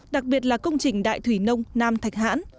đặc biệt là công trình đại thủy nông nam thạch hãn